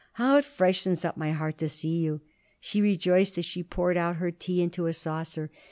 How it freshens up my heart to see you!" she rejoiced as she poured out her tea into a saucer.